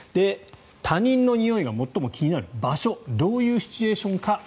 他人のにおいが最も気になる場所どういうシチュエーションか。